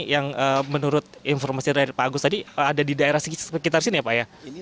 yang menurut informasi dari pak agus tadi ada di daerah sekitar sini ya pak ya